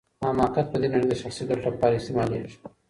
حماقت په دې نړۍ کي د شخصي ګټو لپاره استعمالیږي.